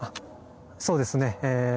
そうですね。